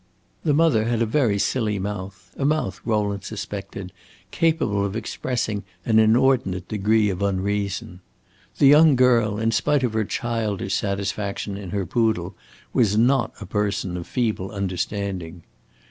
The mother had a very silly mouth a mouth, Rowland suspected, capable of expressing an inordinate degree of unreason. The young girl, in spite of her childish satisfaction in her poodle, was not a person of feeble understanding.